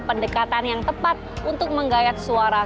pendekatan yang tepat untuk menggayat suara